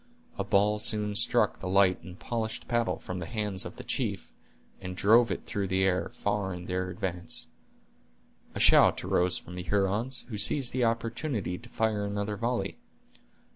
A ball soon struck the light and polished paddle from the hands of the chief, and drove it through the air, far in the advance. A shout arose from the Hurons, who seized the opportunity to fire another volley.